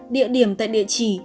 địa điểm tại địa chỉ